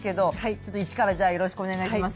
ちょっと一からよろしくお願いします。